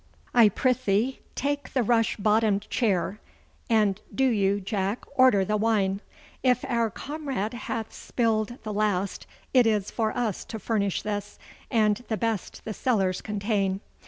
I prythee take the rush bottomed chair, and do you, Jack, order the wine. If our comrade hath spilled the last it is for us to furnish this, and the best the cellars contain.